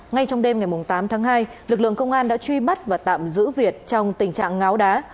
ngay trong đêm ngày tám tháng hai lực lượng công an đã truy bắt và tạm giữ việt trong tình trạng ngáo đá